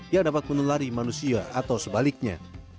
yang dapat menulari manusia atau sebaliknya